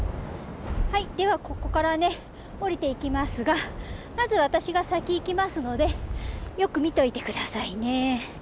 はいではここからね下りていきますがまず私が先行きますのでよく見といて下さいね。